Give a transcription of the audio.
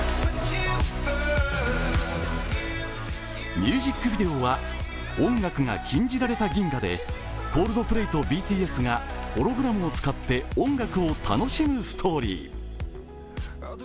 ミュージックビデオは音楽が禁じられた銀河でＣｏｌｄｐｌａｙとＢＴＳがホログラムを使って音楽を楽しむストーリー。